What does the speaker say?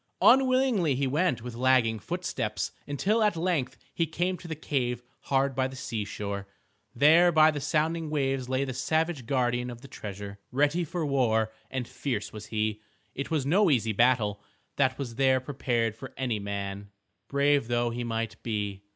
Unwillingly he went with lagging footsteps until at length he came to the cave hard by the seashore. There by the sounding waves lay the savage guardian of the treasure. Ready for war and fierce was he. It was no easy battle that was there prepared for any man, brave though he might be.